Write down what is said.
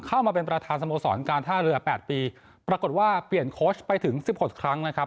เข้ามาเป็นประธานสโมสรการท่าเรือ๘ปีปรากฏว่าเปลี่ยนโค้ชไปถึง๑๖ครั้งนะครับ